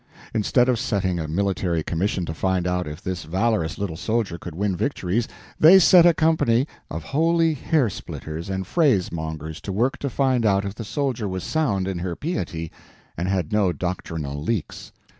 Instead of setting a military commission to find out if this valorous little soldier could win victories, they set a company of holy hair splitters and phrase mongers to work to find out if the soldier was sound in her piety and had no doctrinal leaks.